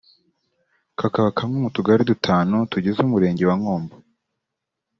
kakaba kamwe mu tugali dutanu tugize Umurenge wa Nkombo